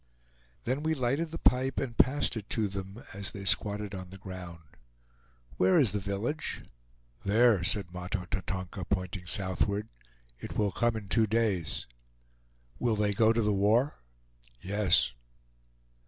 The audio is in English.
Then we lighted the pipe, and passed it to them as they squatted on the ground. "Where is the village?" "There," said Mahto Tatonka, pointing southward; "it will come in two days." "Will they go to the war?" "Yes."